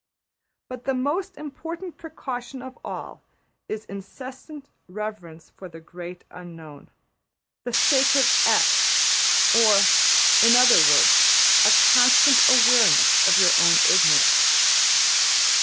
But the most important precaution of all is incessant reverence for the Great Unknown, the sacred $x$: or, in other words, a constant awareness of your own ignorance.